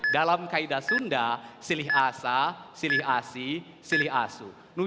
dalam kaedah sunda silih asa silih asi silih asu